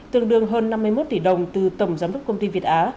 tương đương hơn năm mươi một tỷ đồng từ tổng giám đốc công ty việt á